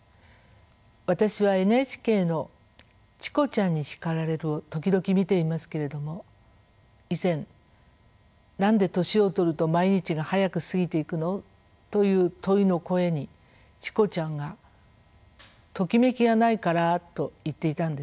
私はＮＨＫの「チコちゃんに叱られる！」を時々見ていますけれども以前「何で年を取ると毎日が早く過ぎていくの？」という問いの声にチコちゃんが「ときめきがないから」と言っていたんですね。